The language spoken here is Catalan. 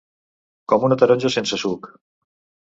Com una taronja sense suc.